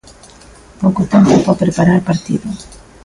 Pouco tempo para preparar partido.